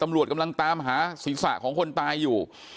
ตำรวจกำลังตามหาศีรษะของคนตายอยู่